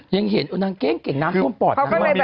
ยังเห็นนางเก่งนางท่วมปอด